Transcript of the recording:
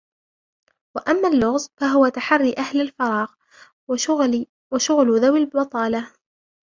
وَأَمَّا اللُّغْزُ فَهُوَ تَحَرِّي أَهْلِ الْفَرَاغِ وَشُغْلُ ذَوِي الْبَطَالَةِ